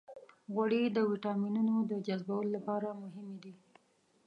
غوړې د ویټامینونو د جذبولو لپاره مهمې دي.